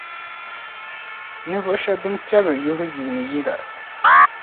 ninvuɣ’ shɛb’ bɛn piɛbiri yuhi yiini yila.